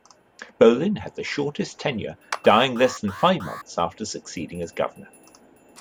Bolin had the shortest tenure, dying less than five months after succeeding as governor.